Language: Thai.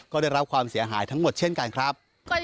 ก็ได้รับความเสียหายทั้งหมดเช่นกันครับ